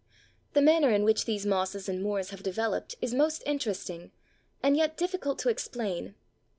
The manner in which these mosses and moors have developed is most interesting, and yet difficult to explain.